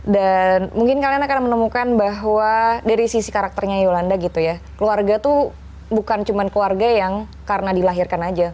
dan mungkin kalian akan menemukan bahwa dari sisi karakternya yolanda gitu ya keluarga tuh bukan cuman keluarga yang karena dilahirkan aja